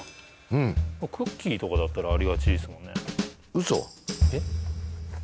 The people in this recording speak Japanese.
うんクッキーとかだったらありがちですもんね嘘えっ？